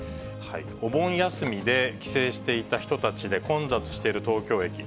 お盆休みで帰省していた人たちで混雑してる東京駅。